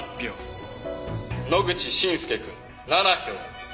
野口伸介くん７票。